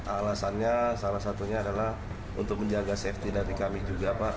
alasannya salah satunya adalah untuk menjaga safety dari kami juga pak